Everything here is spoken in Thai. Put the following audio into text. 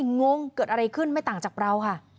งงเกิดอะไรขึ้นไม่ต่างจากเราค่ะ